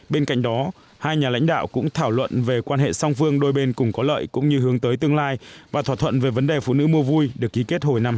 bên cạnh đó hai nhà lãnh đạo cũng thảo luận về quan hệ song phương đôi bên cùng có lợi cũng như hướng tới tương lai và thỏa thuận về vấn đề phụ nữ mua vui được ký kết hồi năm hai nghìn một mươi